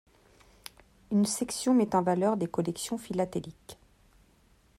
Une section met en valeur des collections philatéliques.